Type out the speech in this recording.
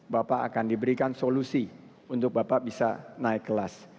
bapak akan diberikan solusi untuk bapak bisa naik kelas